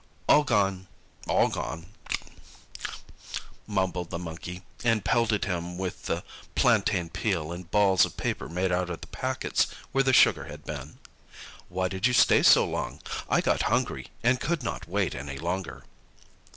"All gone, all gone," mumbled the Monkey, and pelted him with the plantain peel and balls of paper made out of the packets where the sugar had been. "Why did you stay so long? I got hungry, and could not wait any longer."